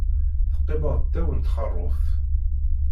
Teqqimeḍ ddaw n txeṛṛubt.